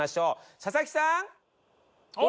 佐々木さん！」